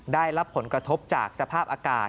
ได้รับผลกระทบจากสภาพอากาศ